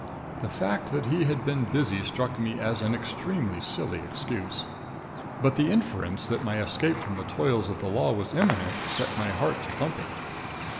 The fact that he had been busy struck me as an extremely silly excuse. But the inference that my escape from the toils of the law was imminent set my heart to thumping.